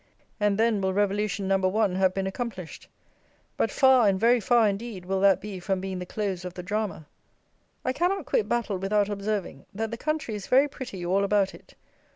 And then, will revolution No. I. have been accomplished; but far, and very far indeed, will that be from being the close of the drama! I cannot quit Battle without observing, that the country is very pretty all about it.